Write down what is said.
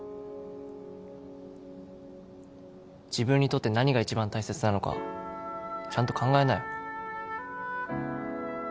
自分にとって何が一番大切なのかちゃんと考えなよ